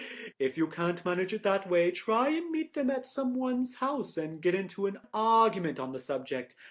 If you can't manage it that way, try and meet them at some one's house and get into argument on the subject.